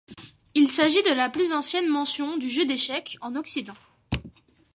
Il s'agit de la plus ancienne mention du jeu d'échecs en Occident.